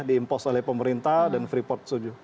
diimpos oleh pemerintah dan freeport setuju